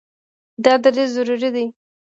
دا دریځ ضروري دی.